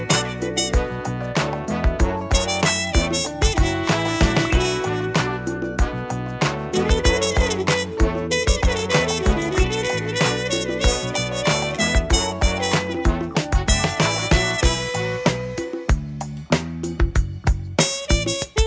เจ้าที่นักไพ่ใหญ่